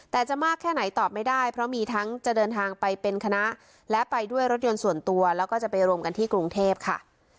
แต่จะมากแค่ไหนตอบไม่ได้เพราะมีทั้งจะเดินทางไปเป็นคณะและไปด้วยรถยนต์ส่วนตัวแล้วก็จะไปรวมกันที่กรุงเทพค่ะ